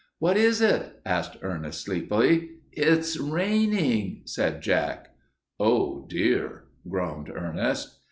"What is it?" asked Ernest, sleepily. "It's raining," said Jack. "Oh, dear!" groaned Ernest.